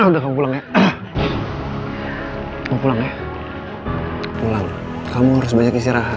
dan jangan lupa untuk subscribe